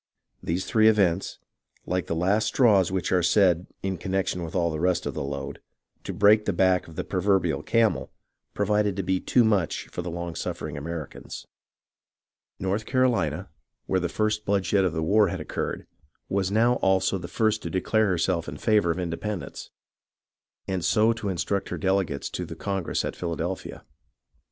These three events, like the last straws which are said (in connection with all the rest of the load) to break the back of the proverbial camel, proved to be too much for the long suffering Americans. North Carolina, where the first bloodshed of the war had occurred, was now also the first to declare herself in favour of independence, and so to instruct her delegates to the Congress at Philadelphia.